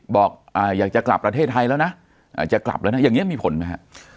บอกอยากจะกลับประเทศไทยแล้วนะอย่างนี้มีผลไหม